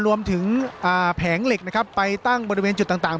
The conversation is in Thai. รวมถึงแผงเหล็กนะครับไปตั้งบริเวณจุดต่าง